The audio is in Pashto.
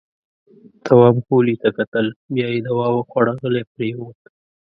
تواب غولي ته کتل. بيا يې دوا وخوړه، غلی پرېووت.